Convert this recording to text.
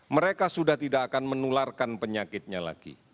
mereka sudah tidak akan menularkan penyakitnya lagi